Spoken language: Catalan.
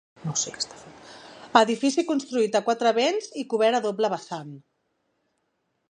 Edifici construït a quatre vents i cobert a doble vessant.